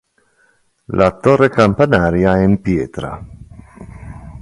La torre campanaria è in pietra.